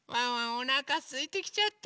おなかすいてきちゃった。